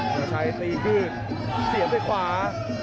ทราชัยตีคืนเสียบด้วยขวา